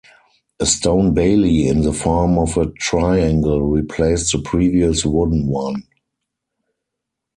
A stone bailey, in the form of a triangle, replaced the previous wooden one.